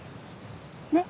ねっ？